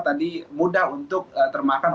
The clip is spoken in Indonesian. tadi mudah untuk termakan